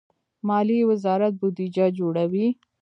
مالیې وزارت بودجه جوړوي